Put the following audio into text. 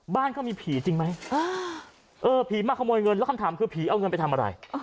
บ้านเขามีผีจริงไหมเออผีมาขโมยเงินแล้วคำถามคือผีเอาเงินไปทำอะไร